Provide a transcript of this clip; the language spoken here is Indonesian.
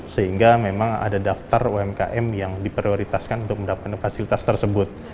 sehingga memang ada daftar umkm yang diprioritaskan untuk mendapatkan fasilitas tersebut